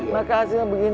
makasih yang begini